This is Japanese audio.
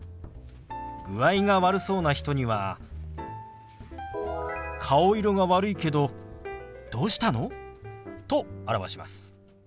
具合が悪そうな人には「顔色が悪いけどどうしたの？」と表します。